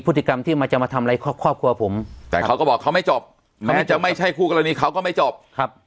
พฤติกรรมที่มันจะมาทำอะไรครอบครัวผมแต่เขาก็บอกเขาไม่จบแม้จะไม่ใช่คู่กรณีเขาก็ไม่จบครับ